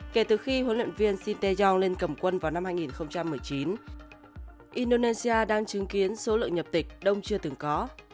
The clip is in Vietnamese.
kể từ khi huấn luyện viên site yong lên cầm quân vào năm hai nghìn một mươi chín indonesia đang chứng kiến số lượng nhập tịch đông chưa từng có